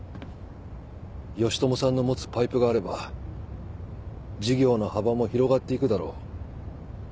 義知さんの持つパイプがあれば事業の幅も広がっていくだろう。